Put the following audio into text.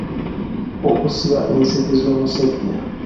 Okusiba enseke z’omusajja.